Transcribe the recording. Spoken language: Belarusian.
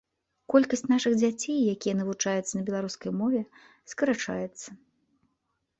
Колькасць нашых дзяцей, якія навучаюцца на беларускай мове, скарачаецца.